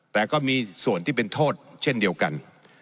แต่ก็มีส่วนที่เป็นโทษเช่นเดียวกัน